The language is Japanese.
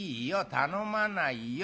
頼まないよ。